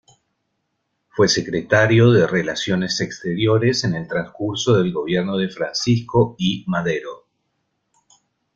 Fue Secretario de Relaciones Exteriores en el transcurso del gobierno de Francisco I. Madero.